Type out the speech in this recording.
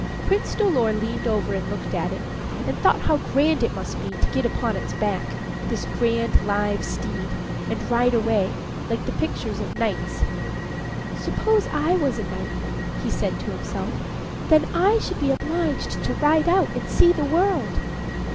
Prince Dolor leaned over and looked at it, and thought how grand it must be to get upon its back this grand live steed and ride away, like the pictures of knights. "Suppose I was a knight," he said to himself; "then I should be obliged to ride out and see the world."